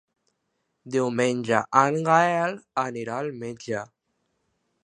Diumenge en Gaël anirà al metge.